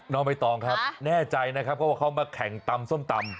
น้องใบตองครับแน่ใจนะครับเพราะว่าเขามาแข่งตำส้มตำ